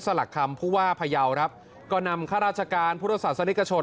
หลักคำผู้ว่าพยาวครับก็นำข้าราชการพุทธศาสนิกชน